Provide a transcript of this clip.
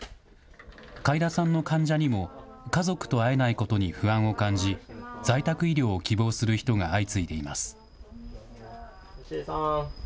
開田さんの患者にも、家族と会えないことに不安を感じ、在宅医療を希望する人が相次いでいます。